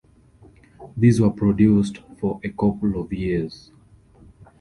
These were produced for a couple of years.